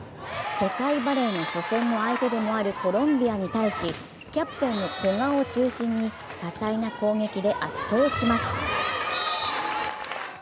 世界バレーの初戦の相手でもあるコロンビアに対し、キャプテンの古賀を中心に多彩な攻撃で圧倒します。